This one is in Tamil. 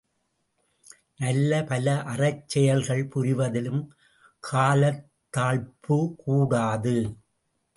நல்ல பல அறச் செயல்கள் புரிவதிலும் காலத்தாழ்ப்பு கூடாது.